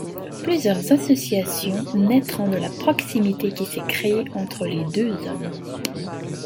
Plusieurs associations naîtront de la proximité qui s’est créée entre les deux hommes.